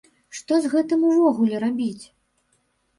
Што з гэтым увогуле рабіць?